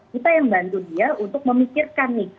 kita yang bantu dia untuk memikirkan nih